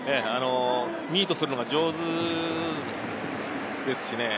ミートするのが上手ですしね。